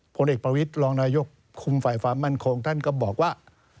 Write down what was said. ผลเอกประวิทรองรายกรคุมฝ่ามั่นโครงท่านก็บอกว่า